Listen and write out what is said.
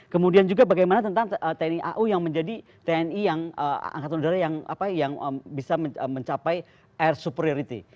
kemudian juga bagaimana tentang tni au yang menjadi tni yang angkatan udara yang bisa mencapai air superiority